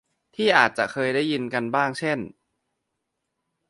ที่อาจะเคยได้ยินกันบ้างเช่น